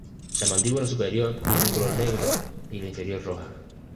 La mandíbula superior es de color negro y la inferior roja.